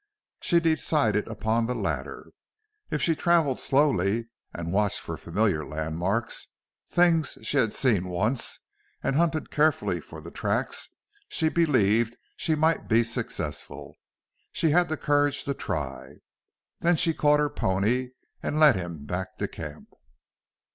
She decided upon the latter. If she traveled slowly, and watched for familiar landmarks, things she had seen once, and hunted carefully for the tracks, she believed she might be successful. She had the courage to try. Then she caught her pony and led him back to camp.